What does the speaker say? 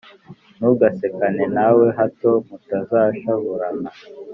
Ntugasekane na we, hato mutazashavurana,